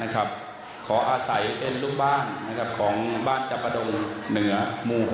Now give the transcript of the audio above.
ขออาศัยเป็นลูกบ้านของบ้านจับประดงเหนือหมู่๖